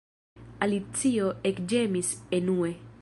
Alicio ekĝemis enue.